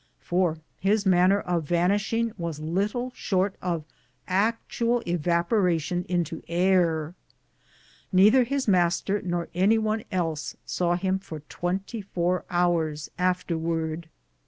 for his manner of vanishing was little short of actual evaporation into air. Neither his master nor any one else saw him for twenty four hours afterwards.